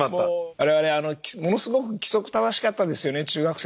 我々ものすごく規則正しかったですよね中学生の頃。